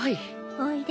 おいで。